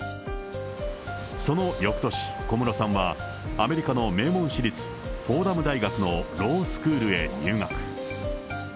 そのよくとし、小室さんはアメリカの名門私立フォーダム大学のロースクールへ留学。